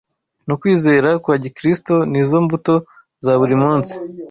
no kwizera kwa Gikristo ni zo mbuto za buri munsi